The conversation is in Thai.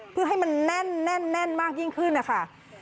เพื่อให้มันแน่นมากยิ่งขึ้นนะคะ